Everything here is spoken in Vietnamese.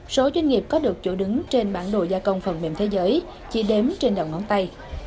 số doanh nghiệp có được chỗ đứng trên bản đồ gia công phần mềm thế giới chỉ đếm trên đầu ngón tay